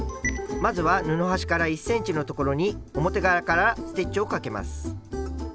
まずは布端から１ｃｍの所に表側からステッチをかけます。